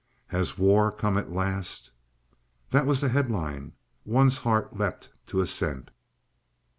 "HAS WAR COME AT LAST?" That was the headline. One's heart leapt to assent.